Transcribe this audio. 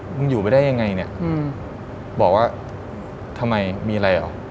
อยู่ไปได้ยังไงเนี่ยบอกว่าทำไมมีอะไรเหรอ